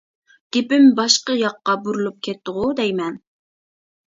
گېپىم باشقا ياققا بۇرۇلۇپ كەتتىغۇ دەيمەن.